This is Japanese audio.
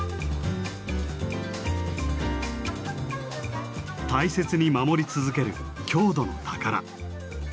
大切に守り続ける郷土の宝。